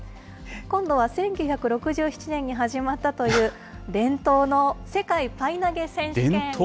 今度は１９６７年に始まったという伝統の世界パイ投げ選手権。